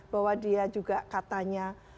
bahwa dia juga katanya